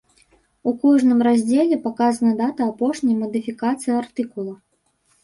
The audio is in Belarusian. У кожным раздзеле паказана дата апошняй мадыфікацыі артыкула.